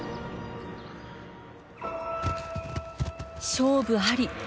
勝負あり。